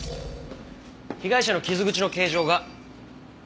被害者の傷口の形状が。